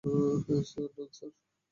ডান, sir.